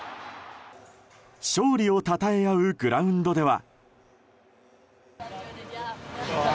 勝利をたたえ合うグラウンドでは。